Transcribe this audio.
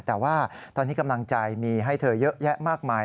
แต่ว่าตอนนี้กำลังใจมีให้เธอเยอะแยะมากมาย